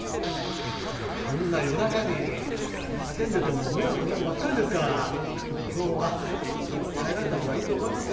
こんな夜中に叫んでても迷惑になるばっかりですから今日は帰られたほうがいいと思いますよ。